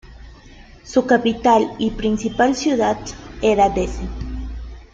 Su capital, y principal ciudad, era Dese.